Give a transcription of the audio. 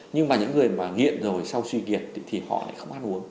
nhưng mà những người mà nghiện rồi sau suy kiệt thì họ lại không ăn uống